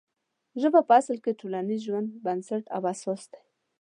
ژبه په اصل کې د ټولنیز ژوند بنسټ او اساس دی.